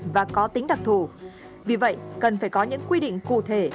vì vậy cần phải có những quy định cụ thể